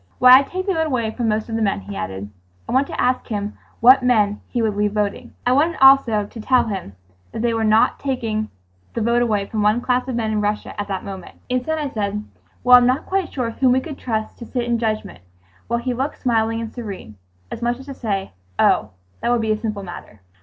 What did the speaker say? Why, I'd take the vote away from most of the men," he added. I wanted to ask him what men he would leave voting. I wanted also to tell him they were taking the vote away from one class of men in Russia at that moment. Instead, I said, "Well, I'm not quite sure whom we could trust to sit in judgment"—while he looked smiling and serene, as much as to say, "Oh, that would be a simple matter."